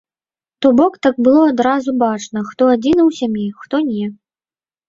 То бок так было адразу бачна, хто адзіны ў сям'і, хто не.